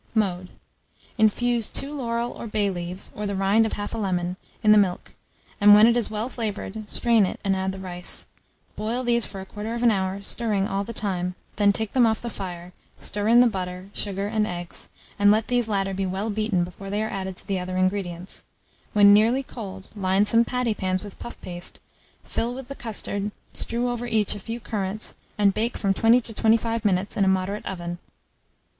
Mode. Infuse 2 laurel or bay leaves, or the rind of 1/2 lemon, in the milk, and when it is well flavoured, strain it, and add the rice; boil these for 1/4 hour, stirring all the time; then take them off the fire, stir in the butter, sugar, and eggs, and let these latter be well beaten before they are added to the other ingredients; when nearly cold, line some patty pans with puff paste, fill with the custard, strew over each a few currants, and bake from 20 to 25 minutes in a moderate oven.